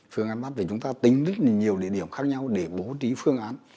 phương án bắt thì chúng ta tính rất là nhiều địa điểm khác nhau để bố trí phương án